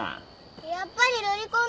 やっぱりロリコンだ。